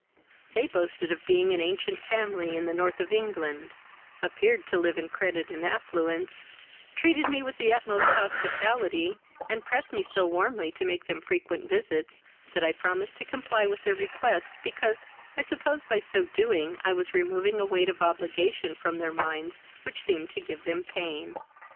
They boasted of being of an ancient family in the North of England, appeared to live in credit and affluence, treated me with the utmost hospitality, and pressed me so warmly to make them frequent visits, that I promised to comply with their request, because I supposed by so doing I was removing a weight of obligation from their minds which seemed to give them pain.